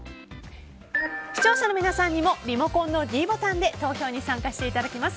視聴者の皆さんにもリモコンのｄボタンで投票に参加していただきます。